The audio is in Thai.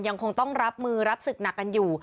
ยังคงต้องรับมือรับศึกหนักกันอยู่